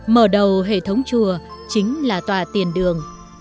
mở đầu hệ thống chùa chính là tòa tiền đường